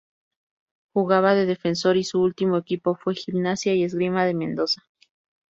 Jugaba de defensor y su último equipo fue Gimnasia y Esgrima de Mendoza.